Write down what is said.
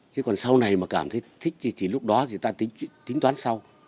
chứ còn sau này mà cảm thấy thích thì chỉ lúc đó thì ta tính toán sau